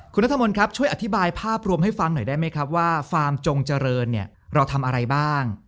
คุณนัทมนต์ครับช่วยอธิบายภาพรวมให้ฟังหน่อยได้ไหมครับว่าฟาร์มจงเจริญเนี่ยเราทำอะไรบ้าง